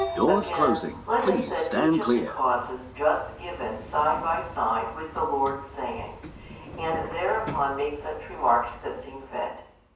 Again, let us set each of the causes just given side by side with the Lord's saying, and thereupon make such remarks that seem fit.